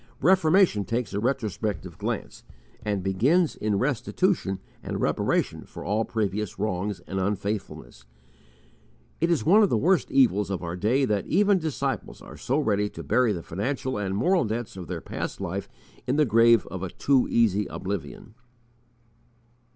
Reformation takes a retrospective glance and begins in restitution and reparation for all previous wrongs and unfaithfulness. It is one of the worst evils of our day that even disciples are so ready to bury the financial and moral debts of their past life in the grave of a too easy oblivion.